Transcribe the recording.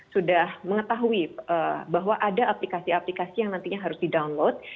sudah mengetahui bahwa ada aplikasi aplikasi yang nantinya harus di download